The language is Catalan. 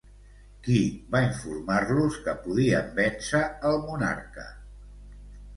Qui va informar-los que podien vèncer al monarca?